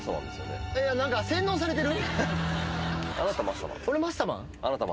何か洗脳されてる？